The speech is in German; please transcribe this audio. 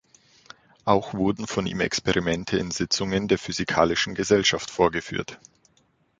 Auch wurden von ihm Experimente in Sitzungen der Physikalischen Gesellschaft vorgeführt.